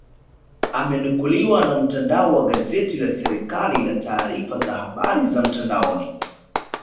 Amenukuliwa na mtandao wa gazeti la serikali la taarifa za habari za mtandaoni